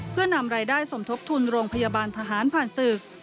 เพื่อนำรายได้สมทบทุนโรงพยาบาลทหารผ่านศึก